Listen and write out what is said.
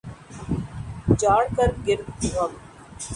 جھاڑ کر گرد غم